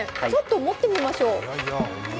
ちょっと持ってみます。